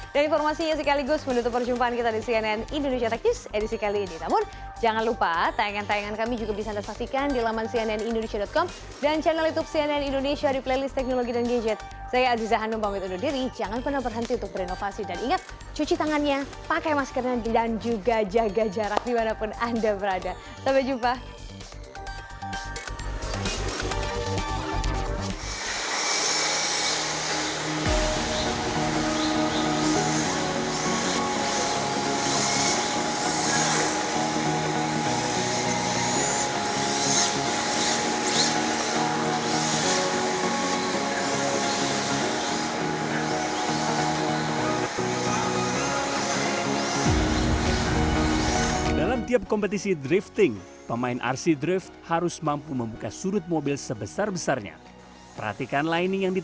dan informasinya sekaligus menutup perjumpaan kita di cnn indonesia tech news edisi kali ini